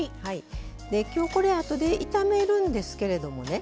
今日これあとで炒めるんですけれどもね